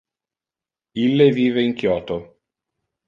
Ille vive in Kyoto.